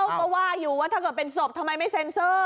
ก็ว่าอยู่ว่าถ้าเกิดเป็นศพทำไมไม่เซ็นเซอร์